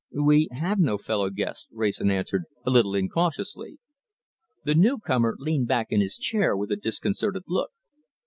"We have no fellow guests," Wrayson answered, a little incautiously. The newcomer leaned back in his chair with a disconcerted look.